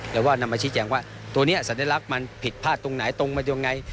แต่ว่านำมาชี้แจงว่าตัวนี้สัญลักษณ์มันผิดพลาดตรงไหนตรงมาตรงไง